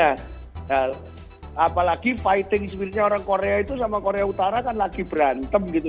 nah apalagi fighting spiritnya orang korea itu sama korea utara kan lagi berantem gitu